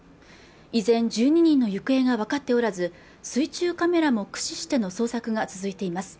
依然１２人の行方が分かっておらず水中カメラも駆使しての捜索が続いています